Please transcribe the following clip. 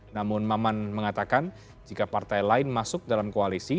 namun maman mengatakan jika partai lain masuk dalam koalisi